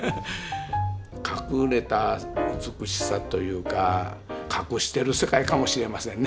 隠れた美しさというか隠してる世界かもしれませんね